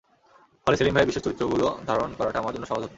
ফলে সেলিম ভাইয়ের বিশেষ চরিত্রগুলো ধারণ করাটা আমার জন্য সহজ হতো।